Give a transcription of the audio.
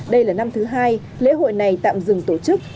đây là năm thứ hai lễ hội này tạm dừng tổ chức